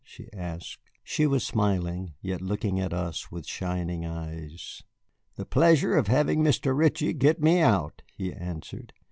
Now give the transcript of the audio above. she asked. She was smiling, yet looking at us with shining eyes. "The pleasure of having Mr. Ritchie get me out," he answered.